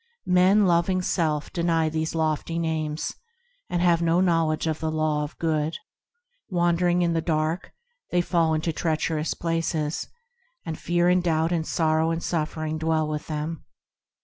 Men, loving self, deny these lofty names, And have no knowledge of the Law of Good; Wandering in the dark, they fall into treacherous places, And fear and doubt and sorrow and suffering dwell with them.